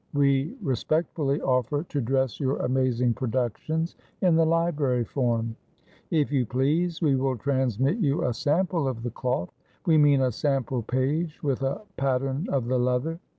We respectfully offer to dress your amazing productions in the library form. If you please, we will transmit you a sample of the cloth we mean a sample page, with a pattern of the leather.